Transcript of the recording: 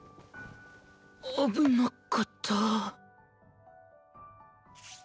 危なかった。